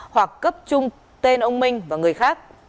hoặc cấp trung tên ông minh và người khác